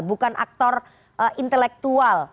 bukan aktor intelektual